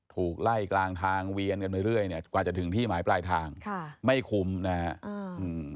ถูกไล่กลางทางเวียนกันไปเรื่อยเนี่ยกว่าจะถึงที่หมายปลายทางค่ะไม่คุ้มนะฮะอืม